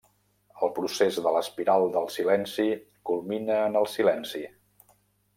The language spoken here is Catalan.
El procés de l'espiral del silenci culmina en el silenci.